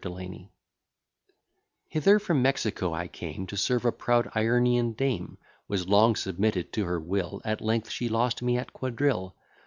DELANY Hither from Mexico I came, To serve a proud Iernian dame: Was long submitted to her will; At length she lost me at quadrille.